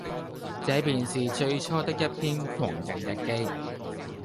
這便是最初的一篇《狂人日記》。